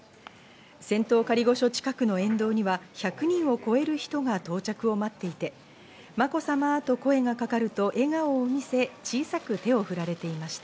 仙洞仮御所近くの沿道には１００人を超える人が到着を待っていて、「まこさま」と声がかかると笑顔を見せ、小さく手を振られていました。